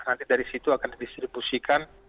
nanti dari situ akan didistribusikan